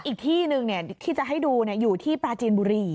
อีกที่หนึ่งเนี่ยที่จะให้ดูเนี่ยอยู่ที่ปลาจีนบุรี